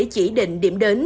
chỉ định điểm đến